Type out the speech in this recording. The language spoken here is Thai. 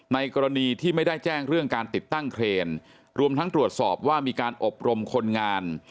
กรณีที่ไม่ได้แจ้งเรื่องการติดตั้งเครนรวมทั้งตรวจสอบว่ามีการอบรมคนงาน